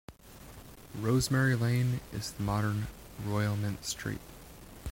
"Rosemary Lane" is the modern "Royal Mint Street".